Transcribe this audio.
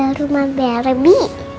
ada rumah beri ndi